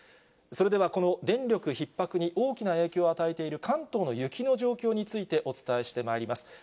それでは、この電力ひっ迫に大きな影響を与えている関東の雪の状況について、お伝えしてまいります。